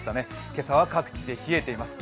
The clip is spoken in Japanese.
今朝は各地で冷えています。